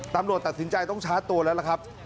ตำรวจตัดสินใจต้องชาร์จตัวแล้วล่ะครับ